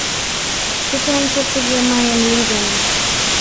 Ит ончо тыге мыйым, лӱдын: